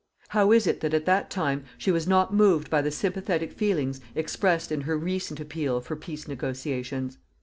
How is it that at that time she was not moved by the sympathetic feelings expressed in her recent appeal for peace negotiations?